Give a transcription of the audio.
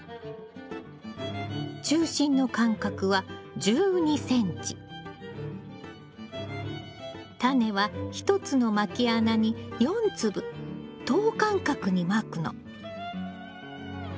中心の間隔はタネは１つのまき穴に４粒等間隔にまくの。